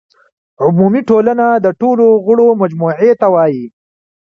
عمومي ټولنه د ټولو غړو مجموعې ته وایي.